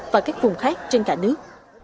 và các vùng khác trên cả nước